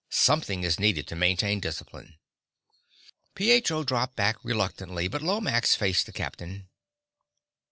Something is needed to maintain discipline." Pietro dropped back reluctantly, but Lomax faced the captain.